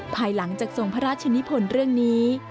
ภายหลังจากทรงพระราชนิพลเรื่องนี้